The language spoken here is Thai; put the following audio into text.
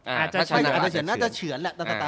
อาจจะเฉือน